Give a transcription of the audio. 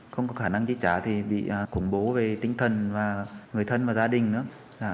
không có khả năng chi trả thì bị khủng bố về tinh thần và người thân và gia đình nữa